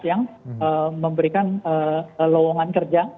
yang memberikan lowongan kerja